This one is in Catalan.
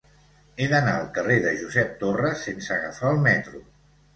He d'anar al carrer de Josep Torres sense agafar el metro.